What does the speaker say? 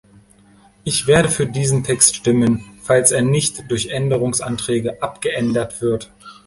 Ich werde für diesen Text stimmen, falls er nicht durch Änderungsanträge abgeändert wird.